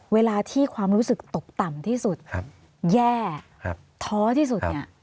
เวลาที่ความรู้สึกตกต่ำที่สุดแย่ท้อที่สุดเนี่ย